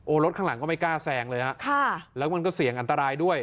รถข้างหลังก็ไม่กล้าแซงเลยฮะค่ะแล้วมันก็เสี่ยงอันตรายด้วย